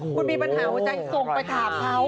คุณมีปัญหาหัวใจส่งไปถามเขา